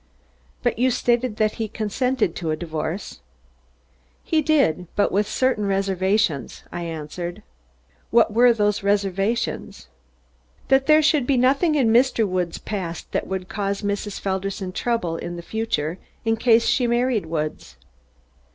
"But you stated that he consented to a divorce?" "He did, but with certain reservations," I answered. "What were those reservations?" "That there should be nothing in Mr. Woods' past that could cause Mrs. Felderson trouble in the future, in case she married Woods."